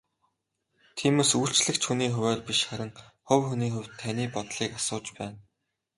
Тиймээс үйлчлэгч хүний хувиар биш харин хувь хүний хувьд таны бодлыг асууж байна.